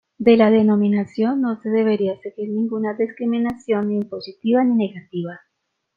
De la denominación no se debería seguir ninguna discriminación ni positiva ni negativa.